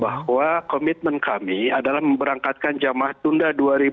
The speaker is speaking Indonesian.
bahwa komitmen kami adalah memberangkatkan jamaah tunda dua ribu dua puluh